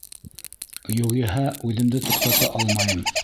Юғиһә, үҙемде туҡтата алмайым.